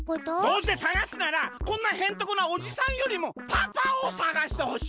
どうせ探すならこんなへんてこなおじさんよりもパパを探してほしいわけよ！